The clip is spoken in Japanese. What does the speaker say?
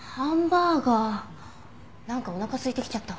なんかおなかすいてきちゃった。